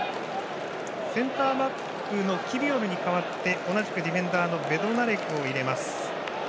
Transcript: センターバックのキビオルに代わって同じくディフェンダーのベドナレクを入れます。